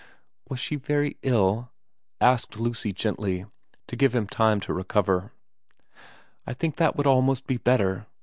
' Was she very ill ?' asked Lucy gently, to give him time to recover. ' I think that would almost be better.